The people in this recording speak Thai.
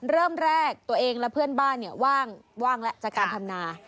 เริ่มแรกตัวเองและเพื่อนบ้านเนี่ยว่างและจากการธรรมนา